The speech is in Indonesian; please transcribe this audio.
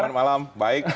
selamat malam baik